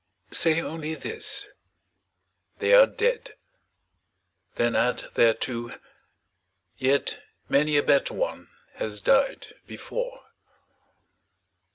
Say only this, " They are dead." Then add thereto, " Yet many a better one has died before."